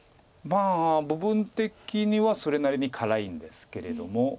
まあ部分的にはそれなりに辛いんですけれども。